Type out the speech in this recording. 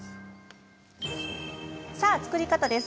さあ作り方です。